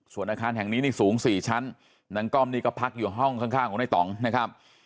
ส่วนอาคารแห่งนี้นี่สูง๔ชั้นนางก้อมนี่ก็พักอยู่ห้องข้างของในต่องนะครับ